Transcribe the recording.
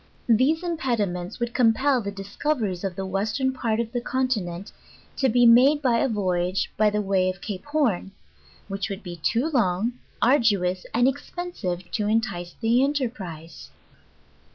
These impediments would compel the discoveries of the western part of the continent, to be made by a voyage by the way of Cape Horn, which would be too Jong, ardous and ex pensive to entice the enterprise.